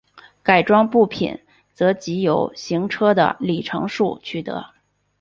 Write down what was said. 改装部品则藉由行车的里程数取得。